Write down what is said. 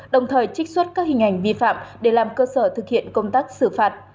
đồng thời trích xuất các hình ảnh vi phạm để làm cơ sở thực hiện công tác xử phạt